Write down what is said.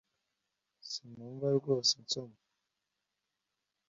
Sinumva rwose nsoma